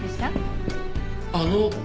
あの。